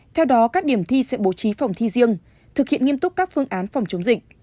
theo đó các điểm thi sẽ bố trí phòng thi riêng thực hiện nghiêm túc các phương án phòng chống dịch